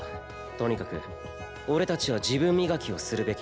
とにかく俺たちは自分磨きをするべきだ。